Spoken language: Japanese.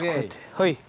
はい。